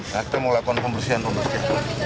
nah kita mau lakukan pembersihan pembersihan